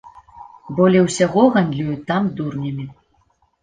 Болей усяго гандлююць там дурнямі.